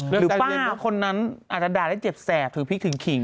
หรือใจเย็นว่าคนนั้นอาจจะด่าได้เจ็บแสบถือพริกถึงขิง